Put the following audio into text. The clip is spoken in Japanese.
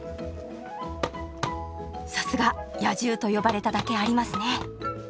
さすが「野獣」と呼ばれただけありますね！